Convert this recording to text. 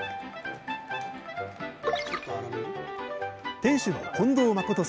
店主の近藤真己人さん。